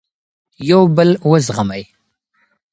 یو بل وزغمئ.